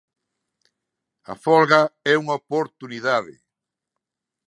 A folga é unha oportunidade.